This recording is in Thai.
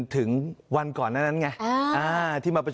ถึงวันก่อนนั้นไง